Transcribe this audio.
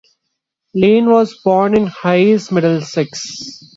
Lane was born in Hayes, Middlesex.